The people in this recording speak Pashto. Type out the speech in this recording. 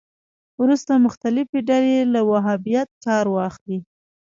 وروسته مختلفې ډلې له وهابیت کار واخلي